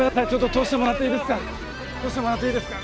通してもらっていいですか？